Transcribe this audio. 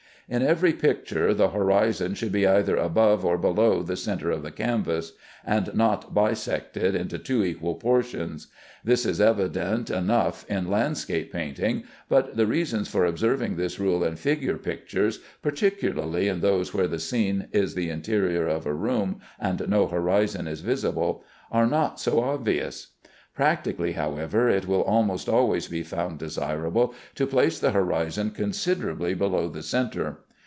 In every picture, the horizon should be either above or below the centre of the canvas, and not bisect it into two equal portions. This is evident enough in landscape painting, but the reasons for observing this rule in figure pictures (particularly in those where the scene is the interior of a room, and no horizon is visible) are not so obvious. Practically, however, it will almost always be found desirable to place the horizon considerably below the centre.